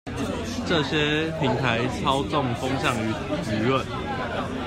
這些平台操縱風向與輿論